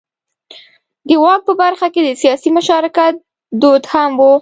د واک په برخه کې د سیاسي مشارکت دود هم و.